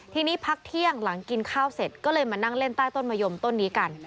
ทีนี้พักเที่ยงหลังกินข้าวเสร็จก็เลยมานั่งเล่นใต้ต้นมะยมต้นนี้กัน